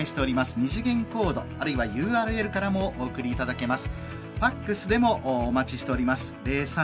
２次元コードあるいはＵＲＬからもお送りいただけます。